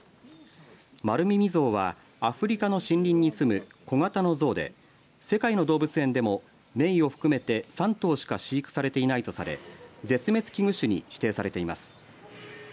マルミミゾウはアフリカの森林に住む小型のゾウで世界の動物園でもメイを含めて３頭しか飼育されていないとされ絶滅危惧種に指定されています。